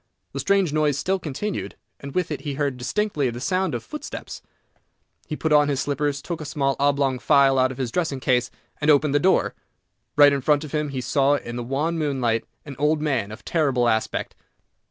The strange noise still continued, and with it he heard distinctly the sound of footsteps. He put on his slippers, took a small oblong phial out of his dressing case, and opened the door. Right in front of him he saw, in the wan moonlight, an old man of terrible aspect.